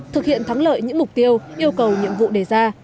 thực hiện thắng lợi những mục tiêu yêu cầu nhiệm vụ đề ra